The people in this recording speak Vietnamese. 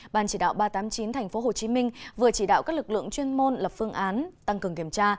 ban chỉ đạo ba trăm tám mươi chín tp hcm vừa chỉ đạo các lực lượng chuyên môn lập phương án tăng cường kiểm tra